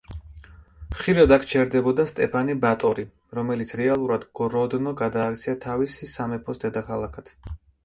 ხშირად აქ ჩერდებოდა სტეფანე ბატორი, რომელიც რეალურად გროდნო გადააქცია თავისი სამეფოს დედაქალაქად.